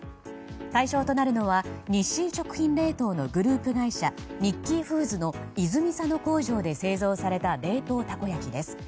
対象となるのは日清食品冷凍のグループ会社ニッキーフーズの泉佐野工場で製造された冷凍たこ焼きです。